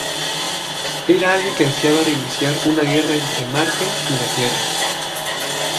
Era alguien que ansiaba reiniciar una guerra entre Marte y la Tierra.